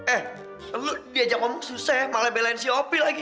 eh lu diajak ngomong susah ya malah belain siopi lagi